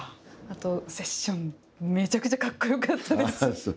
あとセッションめちゃくちゃかっこよかったです。